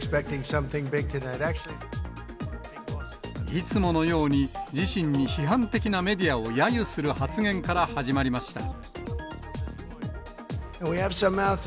いつものように、自身に批判的なメディアをやゆする発言から始まりました。